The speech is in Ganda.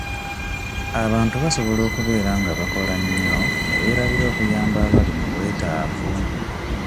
Abantu basobola okubeera nga bakola nnyo ne beerabira okuyamba abali mu bwetaavu.